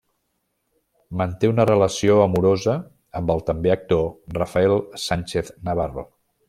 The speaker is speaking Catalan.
Manté una relació amorosa amb el també actor Rafael Sánchez Navarro.